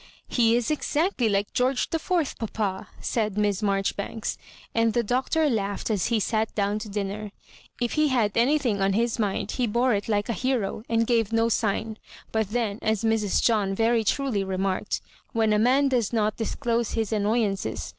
*' He is exactly like George the Fourth, papa," said Miss Marjoribanks ; and the Doctor laughed as he sat down to dinner. If he had anything on his mind he bore it like a hero, and gave no sign ; but then, as Mrs. John very truly remarked, when a man does not dis(^e his annoyances